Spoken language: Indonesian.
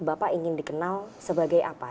bapak ingin dikenal sebagai apa